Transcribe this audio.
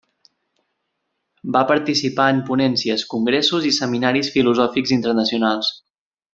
Va participar en ponències, congressos i seminaris filosòfics internacionals.